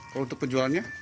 kalau untuk penjualannya